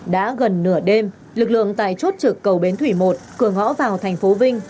đã gần nửa đêm lực lượng tại chốt trực cầu bến thủy một cửa ngõ vào thành phố vinh